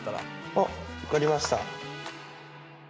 あっ分かりました。